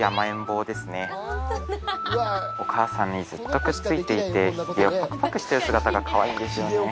お母さんにずっとくっついていてヒゲをパクパクしてる姿がかわいいんですよね。